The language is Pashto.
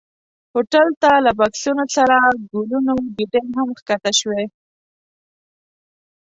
هوټل ته له بکسونو سره ګلونو ګېدۍ هم ښکته شوې.